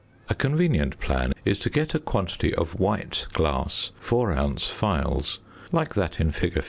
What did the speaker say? A convenient plan is to get a quantity of white glass four ounce phials, like that in fig.